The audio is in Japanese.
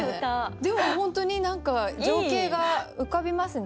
でも本当に何か情景が浮かびますね。